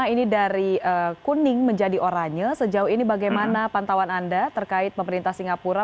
ini dari kuning menjadi oranye sejauh ini bagaimana pantauan anda terkait pemerintah singapura